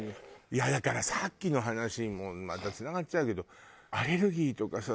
いやだからさっきの話にもうまたつながっちゃうけどアレルギーとかさ